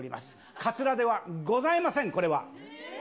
かつらではございません、これは。